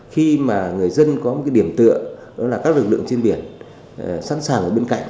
khi mà người dân có một cái điểm tựa đó là các lực lượng trên biển sẵn sàng ở bên cạnh